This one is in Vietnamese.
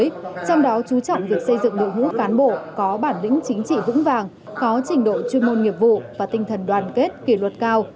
trong đó chú trọng việc xây dựng đội ngũ cán bộ có bản lĩnh chính trị vững vàng có trình độ chuyên môn nghiệp vụ và tinh thần đoàn kết kỷ luật cao